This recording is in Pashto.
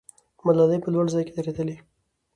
ملالۍ په لوړ ځای کې درېدلې.